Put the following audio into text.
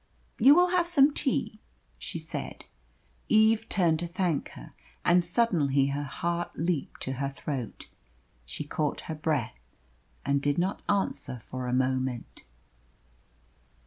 "You will have some tea?" she said. Eve turned to thank her, and suddenly her heart leaped to her throat. She caught her breath, and did not answer for a moment.